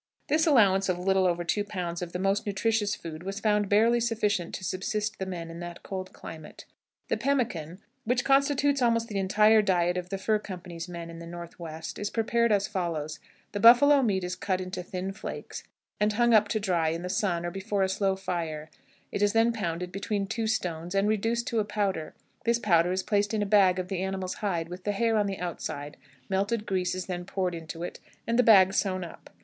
This allowance of a little over two pounds of the most nutritious food was found barely sufficient to subsist the men in that cold climate. The pemmican, which constitutes almost the entire diet of the Fur Company's men in the Northwest, is prepared as follows: The buffalo meat is cut into thin flakes, and hung up to dry in the sun or before a slow fire; it is then pounded between two stones and reduced to a powder; this powder is placed in a bag of the animal's hide, with the hair on the outside; melted grease is then poured into it, and the bag sewn up.